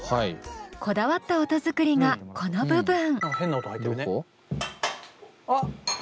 こだわった音作りがこの部分。